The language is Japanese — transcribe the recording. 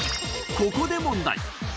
ここで問題！